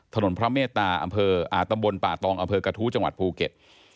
ถนนพระเมตตาอำเภอตำบลป่าตองอำเภอกระทู้จังหวัดภูเก็ต